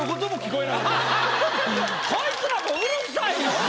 こいつらもうるさいし。